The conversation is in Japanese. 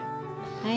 はい。